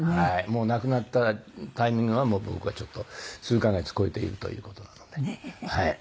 もう亡くなったタイミングが僕がちょっと数カ月超えているという事なので。